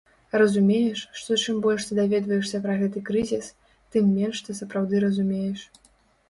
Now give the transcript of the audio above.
Разумееш, што чым больш ты даведваешся пра гэты крызіс, тым менш ты сапраўды разумееш.